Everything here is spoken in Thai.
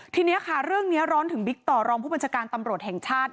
ทีนี้ค่ะเรื่องนี้ร้อนถึงบิ๊กต่อรองผู้บัญชาการตำรวจแห่งชาติ